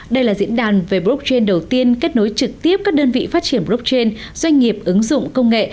đây là diễn đàn về blockchain đầu tiên kết nối trực tiếp các đơn vị phát triển blockchain doanh nghiệp ứng dụng công nghệ